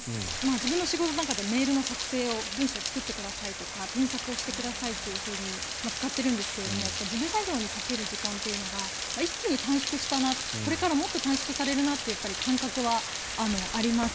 自分の仕事の中でもメールの作成を文章を作ってくださいとか添削をしてくださいっていうふうに使っているんですけど事務作業にかける時間というのが一気に短縮したなこれからもっと短縮されるなという感覚はあります。